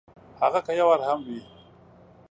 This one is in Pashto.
هغه که یو وار هم وي !